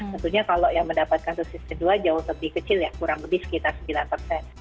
tentunya kalau yang mendapatkan dosis kedua jauh lebih kecil ya kurang lebih sekitar sembilan persen